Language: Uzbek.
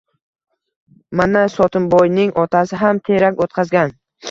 Mana, Sotimboyning otasi ham terak oʻtqazgan.